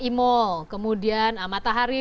e mall kemudian matahari